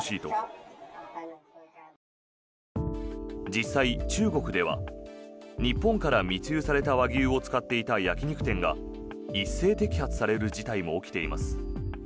実際、中国では日本から密輸された和牛を使っていた焼き肉店が一斉摘発される事態も起きています。